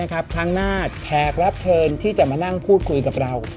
ครั้งหน้าแขกรับเชิญที่จะมานั่งพูดคุยกับเรา